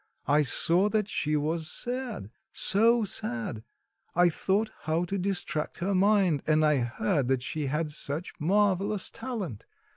I saw that she was sad, so sad; I thought how to distract her mind and I heard that she had such marvellous talent!